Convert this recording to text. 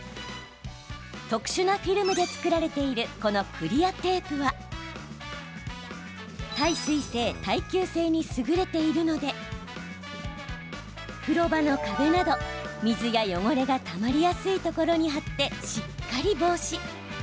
特殊なフィルムで作られているこのクリアテープは耐水性、耐久性に優れているので風呂場の壁など、水や汚れがたまりやすいところに貼ってしっかり防止。